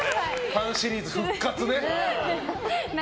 パンシリーズ復活ね。